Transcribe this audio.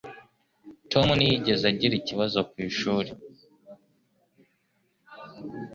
Tom ntiyigeze agira ikibazo ku ishuri.